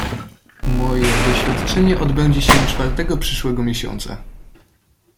"Moje doświadczenie odbędzie się czwartego przyszłego miesiąca."